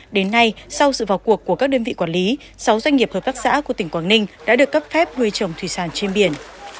đến nay sau sự vào cuộc của các đơn vị quản lý sáu doanh nghiệp hợp tác xã của tỉnh quảng ninh đã được cấp phép nuôi trồng thủy sản trên biển